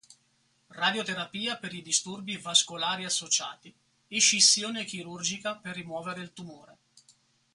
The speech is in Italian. Radioterapia per i disturbi vascolari associati, escissione chirurgica per rimuovere il tumore.